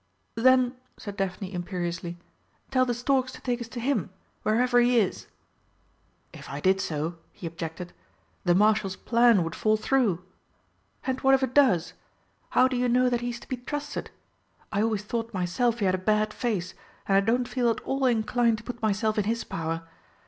"Then," said Daphne imperiously, "tell the storks to take us to him wherever he is." "If I did so," he objected, "the Marshal's plan would fall through!" "And what if it does? How do you know that he's to be trusted? I always thought myself he had a bad face, and I don't feel at all inclined to put myself in his power.